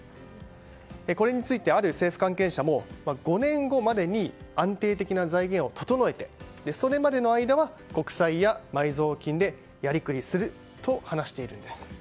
これについて、ある政府関係者も５年後までに安定的な財源を整えてそれまでの間は国債や埋蔵金でやりくりすると話しているんです。